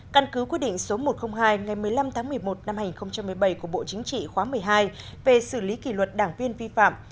căn cứ quyết định số một trăm linh hai ngày một mươi năm tháng một mươi một năm hai nghìn một mươi bảy của bộ chính trị khóa một mươi hai về xử lý kỷ luật đảng viên vi phạm